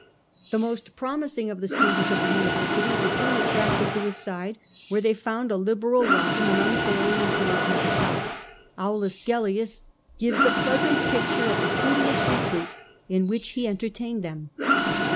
The most promising of the students of the University were soon attracted to his side, where they found a liberal welcome and unfailing encouragement and help. Aulus Gellius gives a pleasant picture of the studious retreat in which he entertained them.